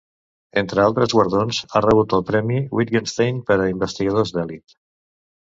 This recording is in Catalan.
Entre altres guardons, ha rebut el Premi Wittgenstein per a investigadors d’elit.